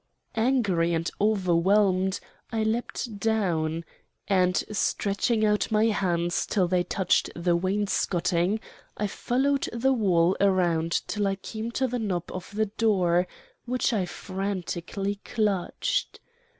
Angry and overwhelmed, I leapt down, and, stretching out my hands till they touched the wainscoting, I followed the wall around till I came to the knob of the door, which I frantically clutched.